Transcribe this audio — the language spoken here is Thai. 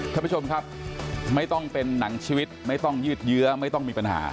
ท่านผู้ชมครับไม่ต้องเป็นหนังชีวิตไม่ต้องยืดเยื้อไม่ต้องมีปัญหา